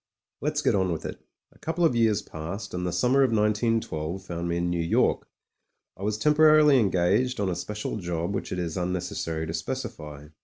Let's get on with it. A couple of years passed, and the summer of 191 2 found me in New York. I was temporarily engaged on a special job which it is unnecessary to specify.